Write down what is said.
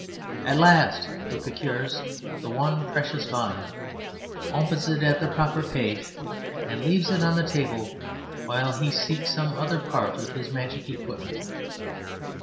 At last he procures the one precious volume, opens it at the proper page, and leaves it on the table while he seeks some other part of his magic equipment.